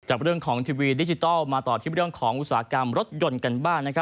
จากเรื่องของทีวีดิจิทัลมาต่อที่เรื่องของอุตสาหกรรมรถยนต์กันบ้าง